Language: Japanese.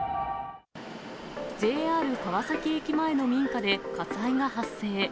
ＪＲ川崎駅前の民家で火災が発生。